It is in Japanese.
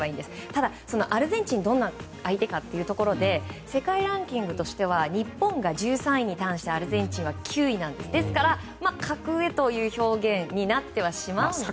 ただ、アルゼンチンどんな相手かというところで世界ランキングとしては日本が１３位に対してアルゼンチンが９位なんです。ということで格上という表現にはなってしまうんですけど。